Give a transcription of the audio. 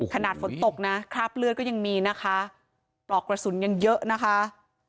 ขนาดฝนตกนะคราบเลือดก็ยังมีนะคะปลอกกระสุนยังเยอะนะคะ